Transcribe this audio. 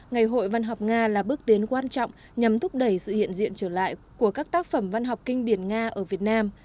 ngày hội văn học nga là bước tiến quan trọng nhằm thúc đẩy sự hiện diện trở lại của các tác phẩm văn học kinh điển nga ở việt nam